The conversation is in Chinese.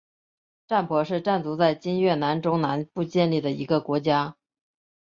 占婆是占族在今越南中南部建立的一个国家。